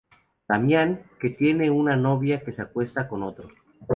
Damián, que tiene una novia que se acuesta con otro.